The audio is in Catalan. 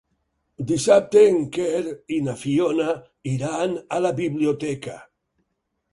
Dissabte en Quer i na Fiona iran a la biblioteca.